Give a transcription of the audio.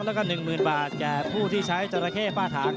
แล้วก็๑๐๐๐บาทแก่ผู้ที่ใช้จราเข้ฝ้าถาง